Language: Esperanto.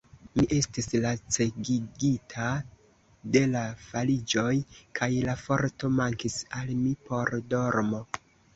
Mi estis lacegigita de la fariĝoj, kaj la forto mankis al mi por dormo.